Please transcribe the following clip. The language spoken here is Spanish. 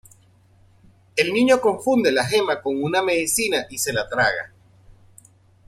El niño confunde la gema con una medicina y se la traga.